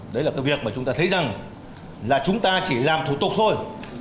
đấy là cái việc mà chúng ta thấy rằng là chúng ta chỉ làm thủ tục thôi